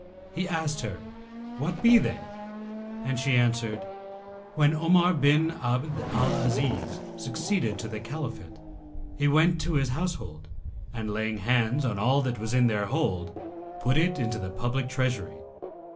He asked her 'What be they?'; and she answered, "When Omar bin Abd al Azíz[FN# 286] succeeded to the Caliphate, he went to his household and laying hands on all that was in their hold, put it into the public treasury.